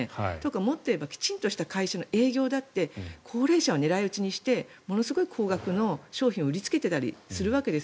もっと言えばきちんとした会社の営業だって高齢者を狙い撃ちにしてものすごい高額の商品を売りつけたりするわけです。